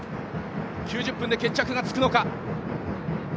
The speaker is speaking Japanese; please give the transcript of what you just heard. ９０分で決着がつくのか。